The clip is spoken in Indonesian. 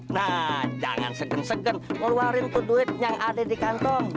nah jangan segen segen ngeluarin tuh duit yang ada di kantong